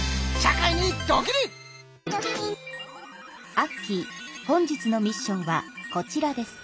アッキー本日のミッションはこちらです。